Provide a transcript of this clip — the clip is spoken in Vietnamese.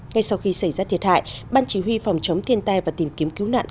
ngay sau khi xảy ra thiệt hại ban chỉ huy phòng chống thiên tai và tìm kiếm cứu nạn